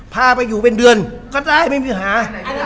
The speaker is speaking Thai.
พาไปอยู่เป็นเดือนก็ได้ไม่มีปัญหา